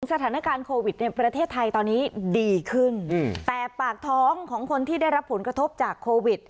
สถานการณ์โควิดในประเทศไทยตอนนี้ดีขึ้นแต่ปากท้องของคนที่ได้รับผลกระทบจากโควิด